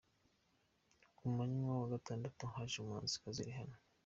Ku mwanya wa gatandatu haje umuhanzikazi Rihanna.